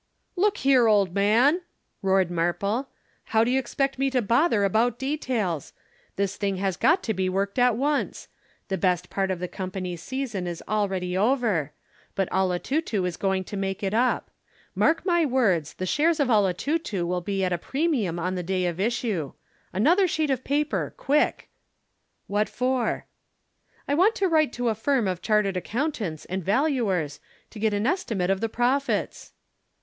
"'"Look here, old man!" roared Marple. "How do you expect me to bother about details? This thing has got to be worked at once. The best part of the Company season is already over. But 'Olotutu' is going to make it up. Mark my words the shares of 'Olotutu' will be at a premium on the day of issue. Another sheet of paper, quick." "'"What for?" "'"I want to write to a firm of Chartered Accountants and Valuers to give an estimate of the profits!"